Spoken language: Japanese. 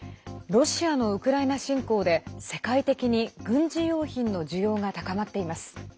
ロシアのウクライナ侵攻で世界的に軍事用品の需要が高まっています。